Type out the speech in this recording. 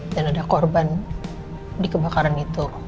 dan ada korban di kebakaran itu